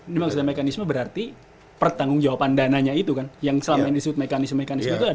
memang sudah mekanisme berarti pertanggung jawaban dananya itu kan yang selama ini disebut mekanisme mekanisme itu ada